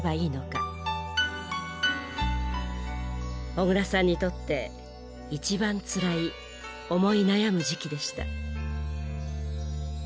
小椋さんにとって一番つらい思い悩む時期でした。